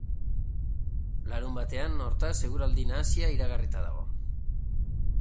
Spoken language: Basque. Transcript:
Larunbatean, hortaz, eguraldi nahasia iragarrita dago.